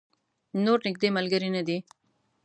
نور نږدې ملګری نه دی.